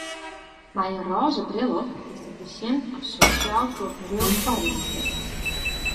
Mei in rôze bril op kinst it besjen as sosjaal-kultureel foarmingswurk.